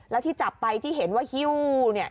แล้วที่จับไปที่เห็นว่าฮิ้วเนี่ย